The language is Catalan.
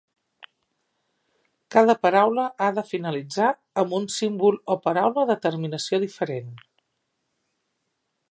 Cada paraula ha de finalitzar amb un símbol o paraula de terminació diferent.